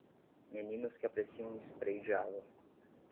Meninos que apreciam um spray de água.